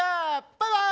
バイバーイ！